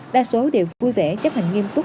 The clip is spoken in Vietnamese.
đa số đều vui vẻ chấp hành nghiêm túc